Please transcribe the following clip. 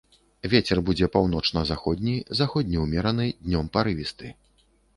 Вецер будзе паўночна-заходні, заходні ўмераны, днём парывісты.